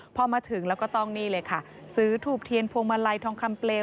พอมาถึงแล้วก็ต้องนี่เลยค่ะซื้อถูกเทียนพวงมาลัยทองคำเปลว